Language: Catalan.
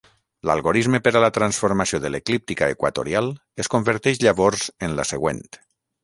L'algorisme per a la transformació de l'eclíptica equatorial es converteix llavors en la següent.